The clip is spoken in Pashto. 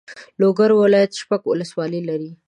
لوګر ولایت شپږ والسوالۍ لري.